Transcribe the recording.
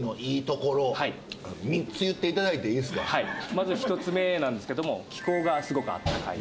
まず１つ目なんですけども気候がすごく暖かい。